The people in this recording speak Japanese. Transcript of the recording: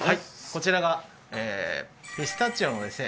こちらがピスタチオのですね